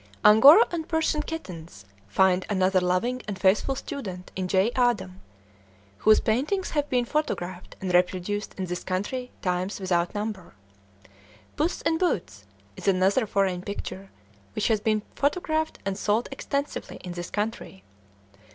Angora and Persian kittens find another loving and faithful student in J. Adam, whose paintings have been photographed and reproduced in this country times without number. "Puss in Boots" is another foreign picture which has been photographed and sold extensively in this country.